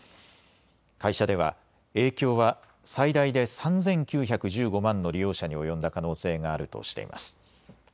会社では、影響は最大で３９１５万の利用者に及んだ可能性があるとしています。